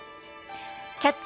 「キャッチ！